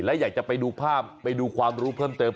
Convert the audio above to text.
และอยากจะไปดูภาพไปดูความรู้เพิ่มเติม